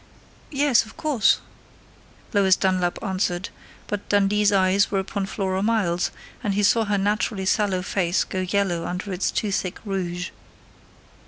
"Yes, of course," Lois Dunlap answered, but Dundee's eyes were upon Flora Miles, and he saw her naturally sallow face go yellow under its too thick rouge.